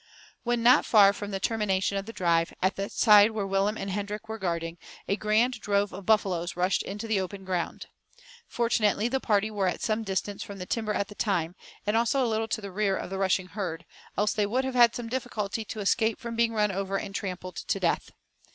When not far from the termination of the drive, at that side where Willem and Hendrik were guarding, a grand drove of buffaloes rushed into the open ground. Fortunately the party were at some distance from the timber at the time, and also a little to the rear of the rushing herd, else they would have had some difficulty to escape from being run over and trampled to death.